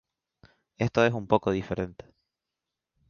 Esto es un poco diferente.